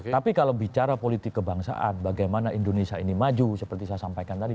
tapi kalau bicara politik kebangsaan bagaimana indonesia ini maju seperti saya sampaikan tadi